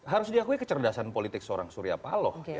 harus diakui kecerdasan politik seorang surya paloh